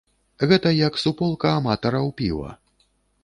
Гэта як суполка аматараў піва.